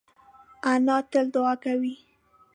انا تل دعا کوي